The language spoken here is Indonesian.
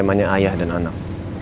temanya ayah dan anak